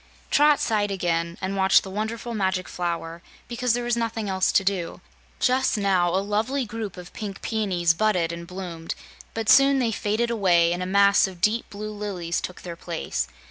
Trot sighed again and watched the wonderful Magic Flower, because there was nothing else to do. Just now a lovely group of pink peonies budded and bloomed, but soon they faded away, and a mass of deep blue lilies took their place.